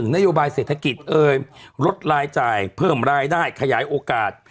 นโยบายเศรษฐกิจเอ่ยลดรายจ่ายเพิ่มรายได้ขยายโอกาส